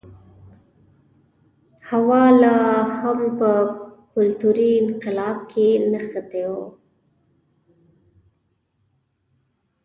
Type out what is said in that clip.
هوا لا هم په کلتوري انقلاب کې نښتی و.